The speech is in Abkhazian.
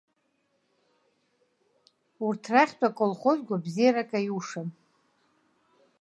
Урҭ рахьтә аколхоз гәабзиарак аиушам.